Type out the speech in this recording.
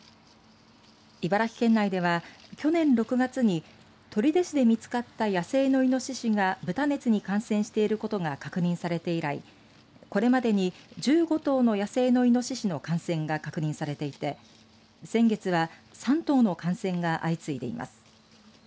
茨城県内では、去年６月に取手市で見つかった野生のイノシシが豚熱に感染していることが確認されて以来これまでに１５頭の野生のイノシシの感染が確認されていて先月は３頭の感染が相次いでいます。